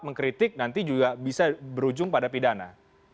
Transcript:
mengkritik nanti juga bisa berujung pada pidana